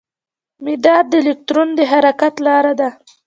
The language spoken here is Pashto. مدار د الکترون د حرکت لاره ده.